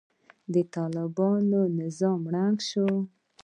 د طالب نظام ړنګ شو.